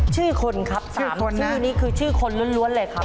ชื่อคนครับ๓ชื่อนี้คือชื่อคนล้วนเลยครับ